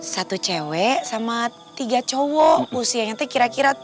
satu cewek sama tiga cowok usianya itu kira kira